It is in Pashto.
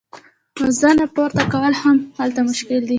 وزنه پورته کول هم هلته مشهور دي.